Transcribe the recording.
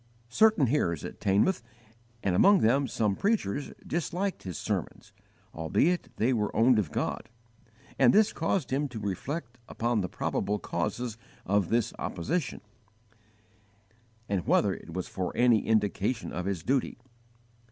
Certain hearers at Teignmouth, and among them some preachers, disliked his sermons, albeit they were owned of God; and this caused him to reflect upon the probable causes of this opposition, and whether it was any indication of his duty.